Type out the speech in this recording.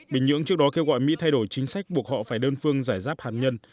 bình nhưỡng trước đó kêu gọi mỹ thay đổi chính sách buộc họ phải đơn phương giải giáp hạt nhân